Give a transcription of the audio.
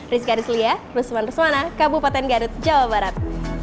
rizky arisulia rusman rusmana kabupaten garut jawa barat